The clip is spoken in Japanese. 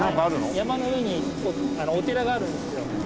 山の上にお寺があるんですよ。